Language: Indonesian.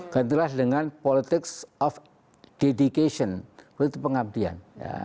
gantilah dengan politik of dedication itu pengabdian